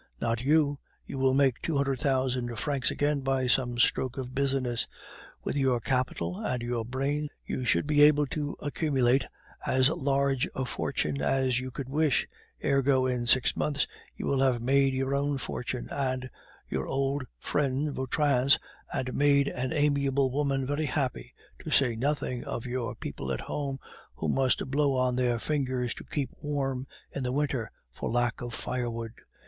Not you. You will make two hundred thousand francs again by some stroke of business. With your capital and your brains you should be able to accumulate as large a fortune as you could wish. Ergo, in six months you will have made your own fortune, and our old friend Vautrin's, and made an amiable woman very happy, to say nothing of your people at home, who must blow on their fingers to warm them, in the winter, for lack of firewood.